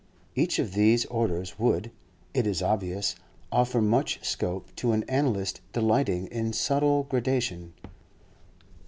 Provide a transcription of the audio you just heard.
Each of these orders would, it is obvious, offer much scope to an analyst delighting in subtle gradation.